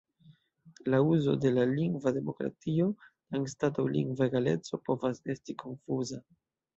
La uzo de "lingva demokratio" anstataŭ "lingva egaleco" povas esti konfuza.